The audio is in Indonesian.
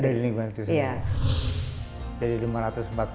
dari lingkungannya itu sendiri